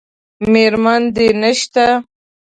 میرمن دې نشته؟